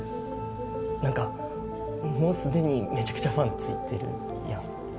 何かもうすでにめちゃくちゃファンついてるやん